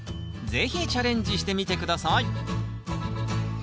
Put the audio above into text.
是非チャレンジしてみて下さい。